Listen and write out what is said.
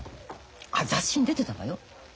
あ雑誌に出てたわよ。